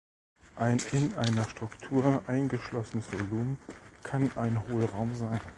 Ein in einer Struktur eingeschlossenes Volumen kann ein Hohlraum sein.